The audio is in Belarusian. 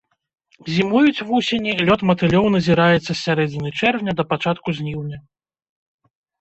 Зімуюць вусені, лёт матылёў назіраецца з сярэдзіны чэрвеня да пачатку жніўня.